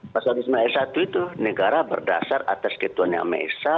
pasal dua puluh sembilan s satu itu negara berdasar atas ketuhanan yang sama esa